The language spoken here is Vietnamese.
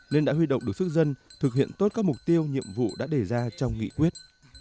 nên đã huy động được sức dân thực hiện tốt các mục tiêu nhiệm vụ đã đề ra trong nghị quyết